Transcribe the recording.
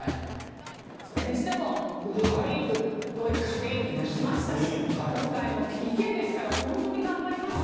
それにしてもグループリーグドイツ、スペインに勝ちましたし今回もＰＫですから本当に頑張りました。